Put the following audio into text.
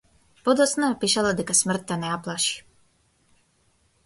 Подоцна напишала дека смртта не ја плаши.